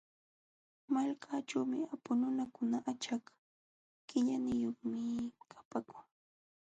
Malkaaćhu apu nunakuna achak qillaniyuqmi kapaakun.